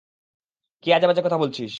কী আজে বাজে বলছিস?